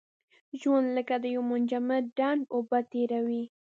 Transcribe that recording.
ژوند لکه د یو منجمد ډنډ اوبه تېروي.